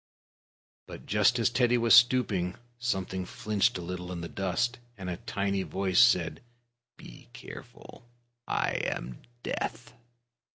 But just as Teddy was stooping, something wriggled a little in the dust, and a tiny voice said: "Be careful. I am Death!"